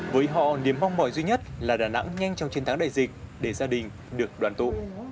với họ niềm mong mỏi duy nhất là đà nẵng nhanh chóng chiến thắng đại dịch để gia đình được đoàn tụ